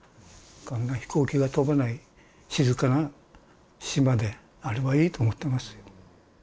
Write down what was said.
こんな飛行機が飛ばない静かな島であればいいと思ってますよ。